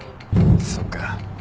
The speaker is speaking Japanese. そうか。